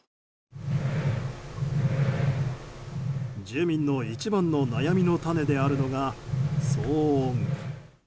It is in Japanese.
住民の一番の悩みの種であるのが騒音。